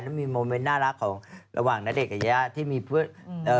และมีโมเมนต์น่ารักของระหว่างณเดชกับยายาที่มีเพื่อ